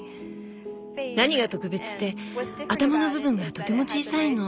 何が特別って頭の部分がとても小さいの。